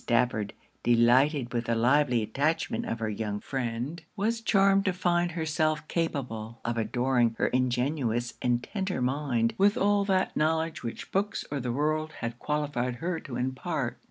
Stafford, delighted with the lively attachment of her young friend, was charmed to find herself capable of adorning her ingenuous and tender mind with all that knowledge which books or the world had qualified her to impart.